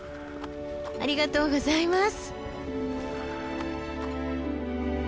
ありがとうございます！